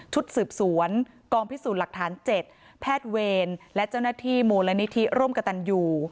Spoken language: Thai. สืบสวนกองพิสูจน์หลักฐาน๗แพทย์เวรและเจ้าหน้าที่มูลนิธิร่มกระตันอยู่